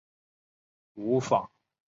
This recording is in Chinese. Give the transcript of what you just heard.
无法摆脱悲哀的命运